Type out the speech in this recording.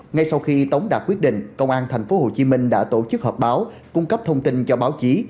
ngay sau khi tống đạt quyết định công an tp hcm đã tổ chức họp báo cung cấp thông tin cho báo chí